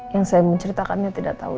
yang saya menceritakannya tidak tahu